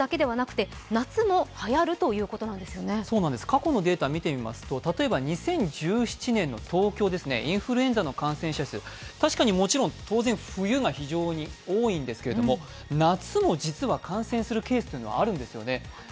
過去のデータを見てみますと、例えば２０１７年の東京ですね、インフルエンザの感染者数当然冬が非常に多いんですけれども、夏も実は感染するケースというのがあるんですね。